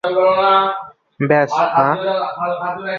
ব্যস, মা।